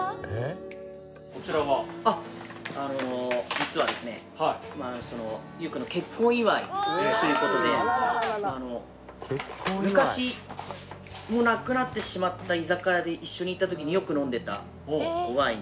あの実はですね祐くんの結婚祝いという事で昔もうなくなってしまった居酒屋で一緒に行った時によく飲んでたワイン。